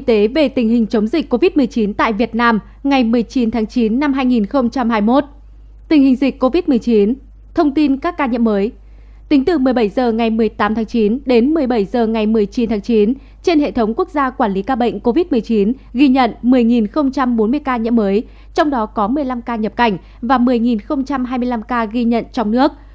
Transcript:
tính từ một mươi bảy h ngày một mươi tám tháng chín đến một mươi bảy h ngày một mươi chín tháng chín trên hệ thống quốc gia quản lý ca bệnh covid một mươi chín ghi nhận một mươi bốn mươi ca nhiễm mới trong đó có một mươi năm ca nhập cảnh và một mươi hai mươi năm ca ghi nhận trong nước